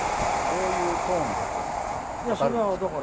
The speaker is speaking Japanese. どういうトーンで語るんですか？